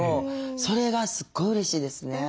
それがすごいうれしいですね。